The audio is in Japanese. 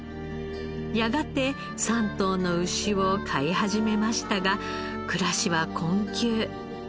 やがて３頭の牛を飼い始めましたが暮らしは困窮。